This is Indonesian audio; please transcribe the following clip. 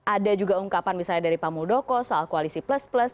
ada juga ungkapan misalnya dari pak muldoko soal koalisi plus plus